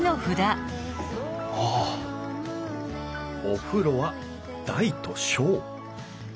お風呂は大と小